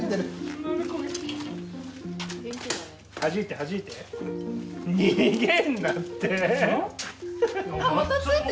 はじいてはじいて。